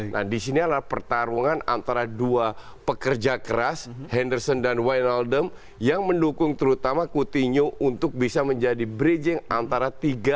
nah disini adalah pertarungan antara dua pekerja keras henderson dan wynaldom yang mendukung terutama coutinho untuk bisa menjadi bridging antara tiga